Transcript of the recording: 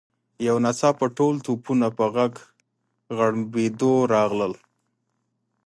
یو ناڅاپه ټول توپونه په غړمبېدو راغلل.